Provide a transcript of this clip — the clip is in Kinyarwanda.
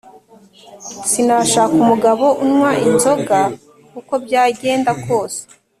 Sinashaka umugabo unywa inzoga uko byagenda kose